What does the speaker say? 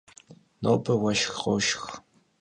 Nobe vueşşx khoşşx.